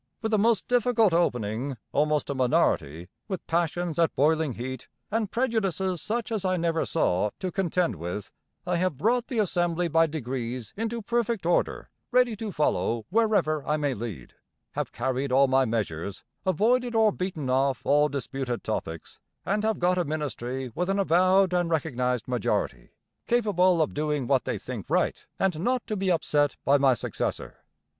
'With a most difficult opening, almost a minority, with passions at boiling heat, and prejudices such as I never saw, to contend with, I have brought the Assembly by degrees into perfect order ready to follow wherever I may lead; have carried all my measures, avoided or beaten off all disputed topics, and have got a ministry with an avowed and recognized majority, capable of doing what they think right, and not to be upset by my successor.